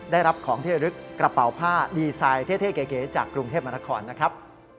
ได้รับของเที่ยวลึกกระเป๋าผ้าดีไซน์เท่เก๋จากกรุงเทพมนครนะครับ